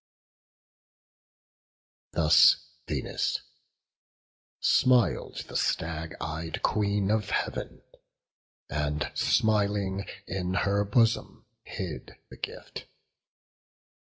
Thus Venus; smil'd the stag ey'd Queen of Heav'n, And, smiling, in her bosom hid the gift.